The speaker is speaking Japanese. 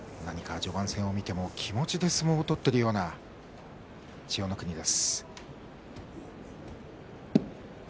序盤戦を見ても気持ちで相撲を取っているような千代の国です。